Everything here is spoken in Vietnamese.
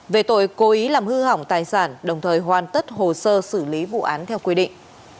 về tội cố ý làm hư hỏng tài sản đồng thời hoàn tất hồ sơ xử lý vụ án theo quy định